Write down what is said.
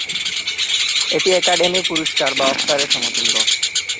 এটি একাডেমি পুরস্কার বা অস্কারের সমতুল্য।